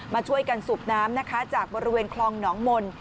มาช่วยกันสูบน้ำนะคะจากบริเวณคลองหนองมน